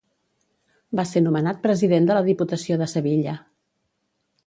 Va ser nomenat president de la Diputació de Sevilla.